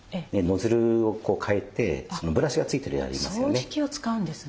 掃除機を使うんですね。